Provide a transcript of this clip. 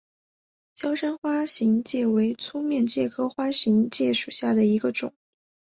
娇生花形介为粗面介科花形介属下的一个种。